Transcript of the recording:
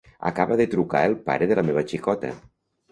Acaba de trucar el pare de la meva xicota.